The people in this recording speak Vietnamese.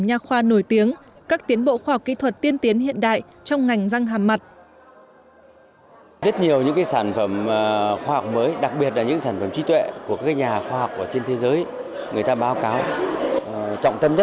nhà khoa nổi tiếng các tiến bộ khoa học kỹ thuật tiên tiến hiện đại trong ngành răng hàm mặt